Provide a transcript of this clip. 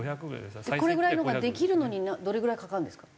これぐらいのができるのにどれぐらいかかるんですか？